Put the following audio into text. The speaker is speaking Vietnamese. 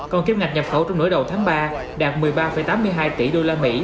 còn kiếm ngạch nhập khẩu trong nửa đầu tháng ba đạt một mươi ba tám mươi hai tỷ usd